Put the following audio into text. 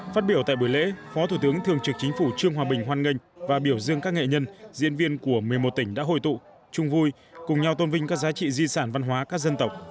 phát biểu tại buổi lễ phó thủ tướng thường trực chính phủ trương hòa bình hoan nghênh và biểu dương các nghệ nhân diễn viên của một mươi một tỉnh đã hồi tụ chung vui cùng nhau tôn vinh các giá trị di sản văn hóa các dân tộc